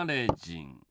ん